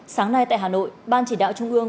sáng nay tại hà nội ban chỉ đạo trung ương